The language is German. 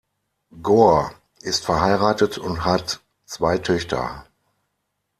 Gore ist verheiratet und hat zwei Töchter.